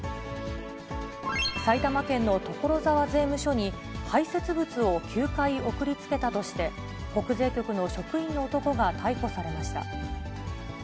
埼玉県の所沢税務署に、排せつ物を９回送りつけたとして、国税局の職員の男が逮捕されました。